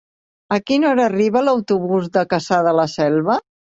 A quina hora arriba l'autobús de Cassà de la Selva?